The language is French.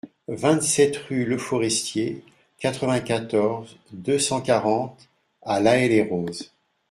vingt-sept rue Leforestier, quatre-vingt-quatorze, deux cent quarante à L'Haÿ-les-Roses